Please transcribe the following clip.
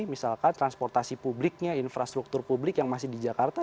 misalkan transportasi publiknya infrastruktur publik yang masih di jakarta